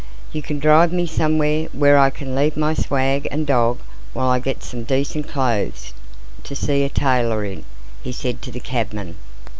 "You can drive me somewhere where I can leave my swag and dog while I get some decent clothes to see a tailor in," he said to the cabman.